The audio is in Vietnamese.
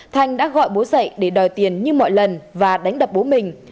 thành đã gọi bố dạy để đòi tiền như mọi lần và đánh đập bố mình